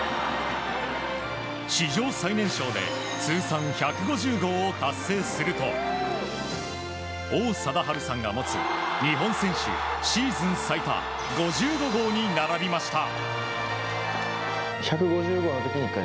史上最年少で通算１５０号を達成すると王貞治さんが持つ、日本選手シーズン最多５５本に並びました。